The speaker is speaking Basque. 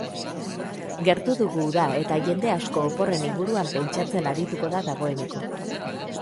Gertu dugu uda eta jende asko oporren inguruan pentsatzen arituko da dagoeneko.